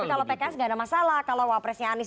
tapi kalau pks nggak ada masalah kalau wapresnya anies